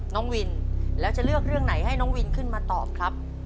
น้องวินแล้วจะเลือกเรื่องไหนให้น้องวินขึ้นมาตอบครับ